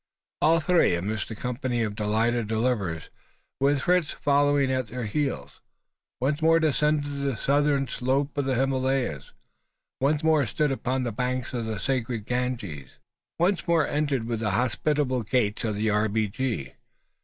All three, amidst a company of delighted deliverers with Fritz following at their heels once more descended the southern slope of the Himalayas; once more stood upon the banks of the sacred Ganges; once more entered within the hospitable gates of the R.B.G.